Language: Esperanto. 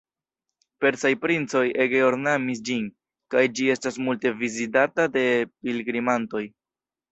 Persaj princoj ege ornamis ĝin, kaj ĝi estas multe vizitata de pilgrimantoj.